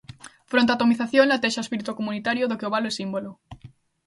Fronte á atomización, latexa o espírito comunitario do que o valo é símbolo.